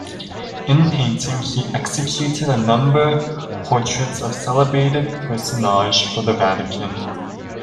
In painting, he executed a number portraits of celebrated personages for the Vatican.